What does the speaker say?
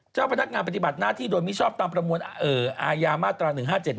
เจ้าพนักงานปฏิบัติหน้าที่โดยมิชอบตามประมวลอาญามาตรา๑๕๗